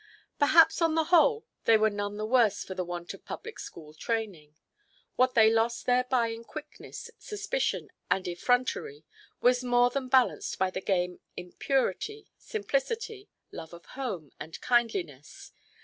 Perhaps on the whole they were none the worse for the want of public–school training. What they lost thereby in quickness, suspicion, and effrontery, was more than balanced by the gain in purity, simplicity, love of home, and kindliness.